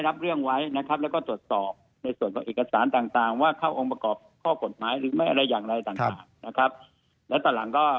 แล้วก็สอบส่วนของเอกสารต่างหรือเข้าองค์ประกอบของข้อศพดภัยหรือหรืออะไรอื่น